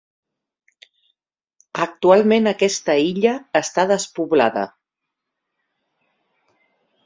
Actualment aquesta illa està despoblada.